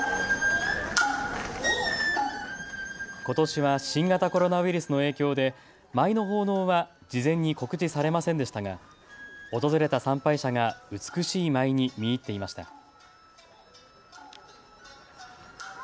ことしは新型コロナウイルスの影響で舞の奉納は事前に告知されませんでしたが訪れた参拝者が美しい舞に見入っていました。